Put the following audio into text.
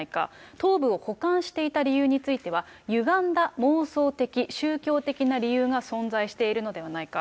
頭部を保管していた理由については、ゆがんだ妄想的、宗教的な理由が存在しているのではないか。